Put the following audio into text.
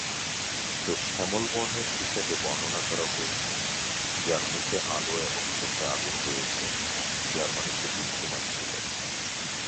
ত "শ্যামল বর্ণের" হিসেবে বর্ণনা করা হয়েছে যার "মুখে আলো এবং চোখে আগুন রয়েছে", যার মানে সে বুদ্ধিমান ছিল।